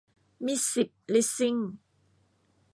มิตรสิบ ลิสซิ่ง